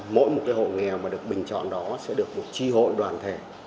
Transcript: mỗi một hộ nghèo được bình chọn đó sẽ được một tri hội đoàn thể